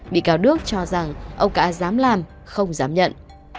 bị cáo đức cho rằng ông ca dám làm không dám nhận